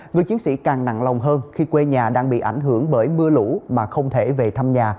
người chiến sĩ càng nặng lòng hơn khi quê nhà đang bị ảnh hưởng bởi mưa lũ mà không thể về thăm nhà